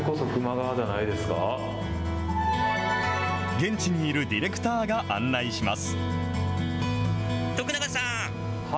現地にいるディレクターが案内します。